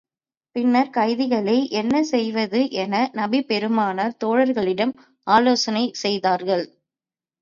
பின்னர் கைதிகளை என்ன செய்வது என நபி பெருமானார் தோழர்களிடம் ஆலோசனை செய்தார்கள்.